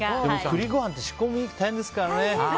栗ご飯って仕込み大変ですからね。